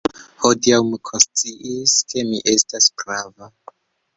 Hodiaŭ mi konsciis, ke mi estas prava!